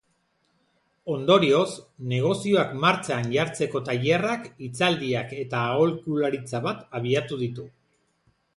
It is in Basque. Ondorioz, negozioak martxan jartzeko tailerrak, hitzaldiak eta aholkularitza bat abiatu ditu.